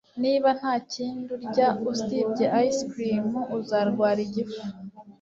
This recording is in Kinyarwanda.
Niba nta kindi urya usibye ice cream uzarwara igifu